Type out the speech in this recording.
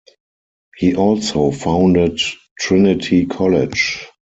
He also founded Trinity College.